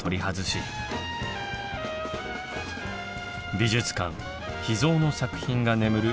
美術館秘蔵の作品が眠る